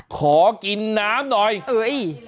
ขอกินน้ำหน่อย